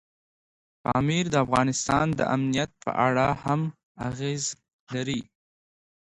پامیر د افغانستان د امنیت په اړه هم اغېز لري.